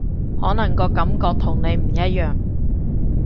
可能個感覺同你唔一樣